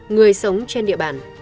người sống trên địa bàn